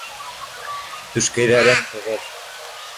Түшкәйҙәрең тығыҙ